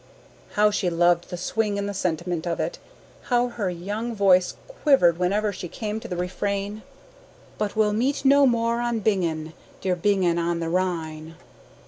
How she loved the swing and the sentiment of it! How her young voice quivered whenever she came to the refrain: "But we'll meet no more at Bingen, dear Bingen on the Rhine."